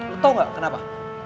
lu tau gak kenapa